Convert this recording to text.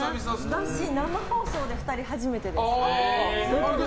だし、生放送で２人初めてです。